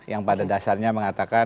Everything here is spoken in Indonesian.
yang pada dasarnya mengatakan